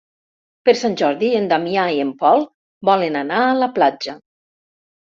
Per Sant Jordi en Damià i en Pol volen anar a la platja.